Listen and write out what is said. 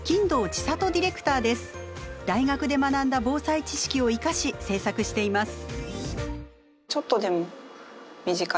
大学で学んだ防災知識を生かし制作しています。